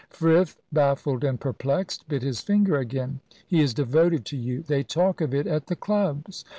Frith, baffled and perplexed, bit his finger again. "He is devoted to you; they talk of it at the clubs.